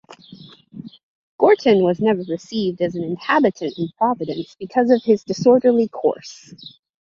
Gorton was never received as an inhabitant in Providence because of his disorderly course.